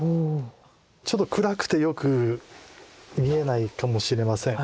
ちょっと暗くてよく見えないかもしれません。